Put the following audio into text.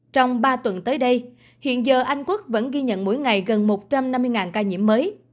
trong ba tuần tới đây hiện giờ anh quốc vẫn ghi nhận mỗi ngày gần một trăm năm mươi ca nhiễm mới